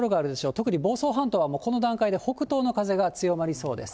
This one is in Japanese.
特に房総半島はもうこの段階で北東の風が強まりそうです。